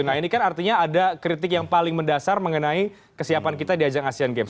nah ini kan artinya ada kritik yang paling mendasar mengenai kesiapan kita di ajang asean games